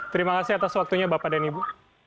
terima kasih atas waktunya bapak dan ibu